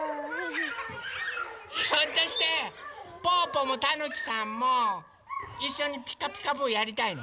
ひょっとしてぽぅぽもたぬきさんもいっしょに「ピカピカブ！」やりたいの？